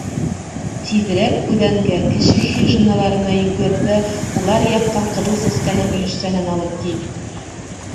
— Тиҙерәк үҙәнгә — кеше хижиналарына йүгер ҙә улар яҡҡан Ҡыҙыл Сәскәнең өлөшсәһен алып кил.